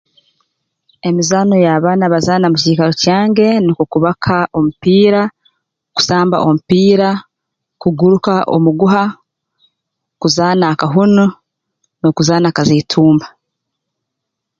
Emizaano y'abaana bazaana mu kiikaro kyange nukwo kubaka omupiira kusamba omupiira kuguruka omuguha kuzaana akahuna n'okuzaana kazaitumba